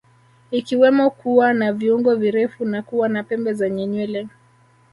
Ikiwemo kuwa na viungo virefu na kuwa na pembe zenye nywele